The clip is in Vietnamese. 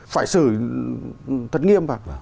phải sử thất nghiêm vào